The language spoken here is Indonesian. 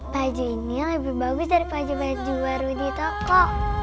baju ini lebih bagus dari baju baju baru di toko